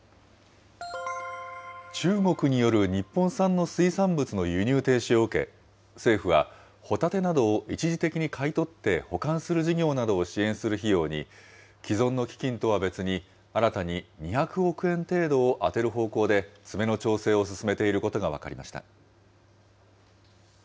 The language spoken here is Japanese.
中国による日本産の水産物の輸入停止を受け、政府はホタテなどを一時的に買い取って保管する事業などを支援する費用に、既存の基金とは別に、新たに２００億円程度を充てる方向で詰めの調整を進めていることが分かりました。